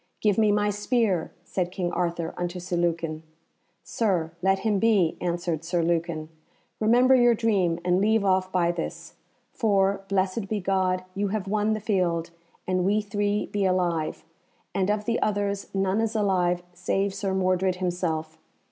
"Give me my spear," said King Arthur unto Sir Lucan. "Sir, let him be," answered Sir Lucan. "Remember your dream, and leave off by this. For, blessed be God, you have won the field, and we three be alive, and of the others none is alive save Sir Mordred himself.